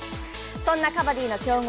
そんなカバディの強豪